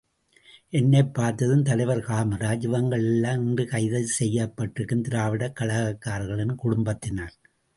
என்னைப் பார்த்ததும் தலைவர் காமராஜ், இவங்கள்ளாம் இன்று கைது செய்யப்பட்டிருக்கும் திராவிடக் கழகக்காரர்களின் குடும்பத்தினர்.